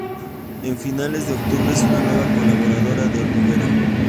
En finales de octubre es una nueva colaboradora de "El hormiguero".